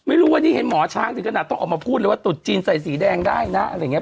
ไม่รู้วันนี้เห็นหมอช้างถึงขนาดต้องออกมาพูดเลยว่าตุดจีนใส่สีแดงได้นะอะไรอย่างนี้